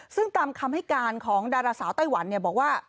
ซึ่งตามคำให้การของดาราสาวไต้หวันบอกว่า